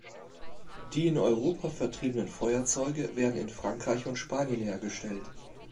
Die in Europa vertriebenen Feuerzeuge werden in Frankreich und Spanien hergestellt.